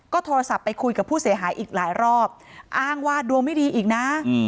โทรศัพท์ไปคุยกับผู้เสียหายอีกหลายรอบอ้างว่าดวงไม่ดีอีกนะ